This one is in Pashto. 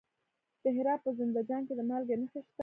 د هرات په زنده جان کې د مالګې نښې شته.